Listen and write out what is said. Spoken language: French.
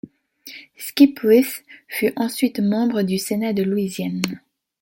Skipwith fut ensuite membre du Sénat de Louisiane.